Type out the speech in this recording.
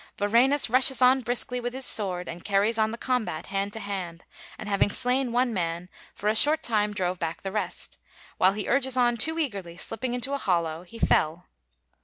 Varenus rushes on briskly with his sword and carries on the combat hand to hand; and having slain one man, for a short time drove back the rest: while he urges on too eagerly, slipping into a hollow, he fell.